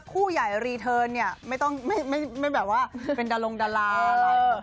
คู่ใหญ่รีเทิร์นเนี่ยไม่ต้องไม่แบบว่าเป็นดารงดาราอะไร